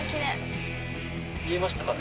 見えましたかね？